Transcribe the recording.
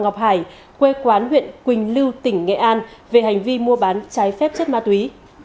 ngọc hải quê quán huyện quỳnh lưu tỉnh nghệ an về hành vi mua bán trái phép chất ma túy